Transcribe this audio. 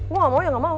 gue gak mau ya gak mau